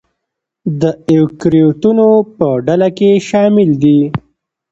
د ایوکریوتونو په ډله کې شامل دي.